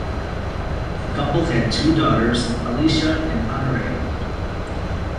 The couple had two daughters, Alicia and Honoree.